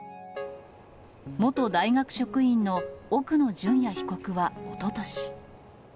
元大学職員の奥野淳也被告はおととし。